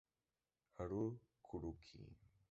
Haru Kuroki